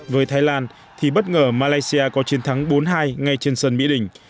với thái lan thì bất ngờ malaysia có chiến thắng bốn hai ngay trên sân mỹ đình